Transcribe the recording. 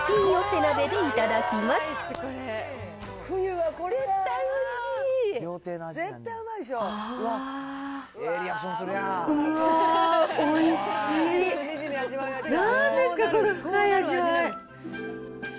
なんですか、この深い味わい。